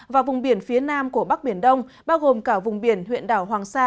và vùng biển phía nam của bắc biển đông bao gồm cả vùng biển huyện đảo hoàng sa